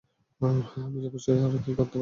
হ্যাঁ, আমি অফিসে আর কি করতে পারি?